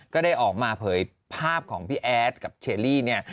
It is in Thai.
ก็ได้ออกมาเผยภาพของพี่แอดกับเชอรี่เนี่ย